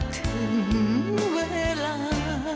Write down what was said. ถึงเวลา